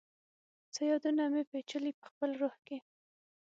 څه یادونه مي، پیچلي پخپل روح کي